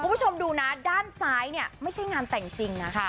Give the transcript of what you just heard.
คุณผู้ชมดูนะด้านซ้ายเนี่ยไม่ใช่งานแต่งจริงนะ